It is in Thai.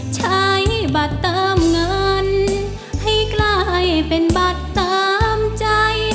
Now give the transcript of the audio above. ใช้บัตรเติมเงินให้กลายเป็นบัตรตามใจ